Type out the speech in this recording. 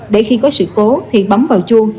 để khi có sự cố thì bấm vào chuông